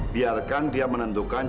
biarkan dia menentukan